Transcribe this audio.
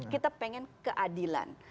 kita pengen keadilan